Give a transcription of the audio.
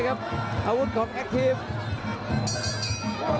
ก็จะไม่ถึง